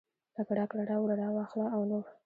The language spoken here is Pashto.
لکه راکړه راوړه راواخله او نور.